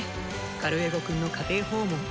カルエゴくんの家庭訪問。